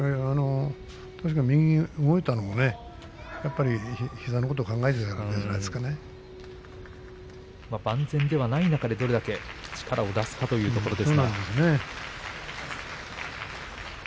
確かに右に動いたのは膝のことを万全ではない中でどれだけ力を出すかということです。